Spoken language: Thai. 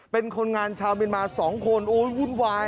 เป็นคนงานชาวเมียนมา๒คนโอ้ยวุ่นวาย